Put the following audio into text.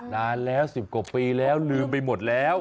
นานแล้ว๑๐กว่าปีแล้วลืมไปหมดแล้ว